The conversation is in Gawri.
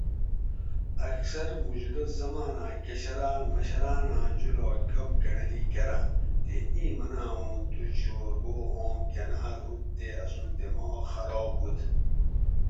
اکثر موجودہ زماناۤں کشراۤن مشراناں جولاگ گپ گۤنڑلی کۤراۤں تے اِیں مناۤں اُوں تُو چھور بو اوم گناۤر ہُوت تے اسوں دماغ خراب ہُوت